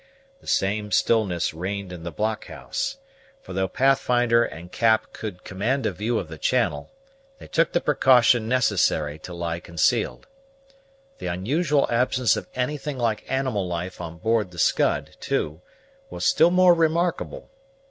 The same stillness reigned in the blockhouse; for though Pathfinder and Cap could command a view of the channel, they took the precaution necessary to lie concealed. The unusual absence of anything like animal life on board the Scud, too, was still more remarkable.